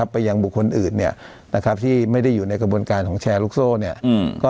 ไปยังบุคคลอื่นที่ไม่ได้อยู่ในกระบวนการของแชร์ลูกโซ่